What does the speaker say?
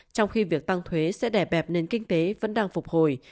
trong khi việc tăng thuế sẽ đẻ bẹp nền kinh tế vẫn đang phục hồi